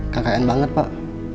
kkn banget pak